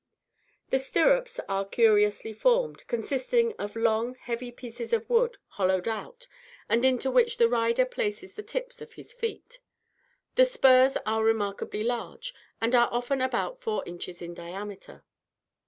The stirrups are curiously formed, consisting of long, heavy pieces of wood, hollowed out, and into which the rider places the tips of his feet. The spurs are remarkably large, and are often about four inches in diameter.